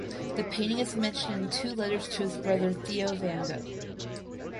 The painting is mentioned in two letters to his brother Theo van Gogh.